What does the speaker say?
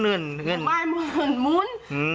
อืมครับงานมันเงินมุ้น